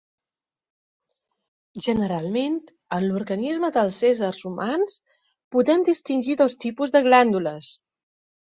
Generalment, en l'organisme dels éssers humans podem distingir dos tipus de glàndules.